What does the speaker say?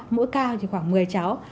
mỗi ca chỉ khoảng một mươi cháu